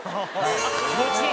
気持ちいい。